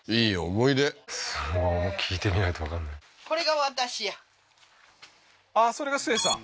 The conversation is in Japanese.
思い出すごい聞いてみないとわかんないあっそれがスエさん